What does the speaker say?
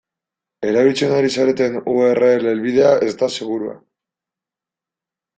Erabiltzen ari zareten u erre ele helbidea ez da segurua.